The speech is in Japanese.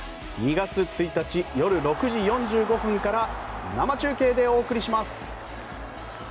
２月１日夜６時４５分から生中継でお送りします。